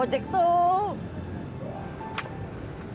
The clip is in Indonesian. gak tahu apa apa